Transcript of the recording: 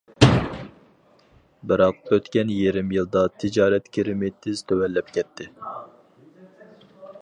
بىراق ئۆتكەن يېرىم يىلدا تىجارەت كىرىمى تېز تۆۋەنلەپ كەتتى.